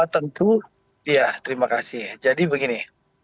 tentu ya terima kasih jadi begini